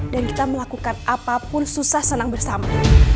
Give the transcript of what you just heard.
dan kita melakukan apapun susah senang bersama